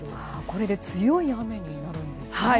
これで強い雨になるんですか。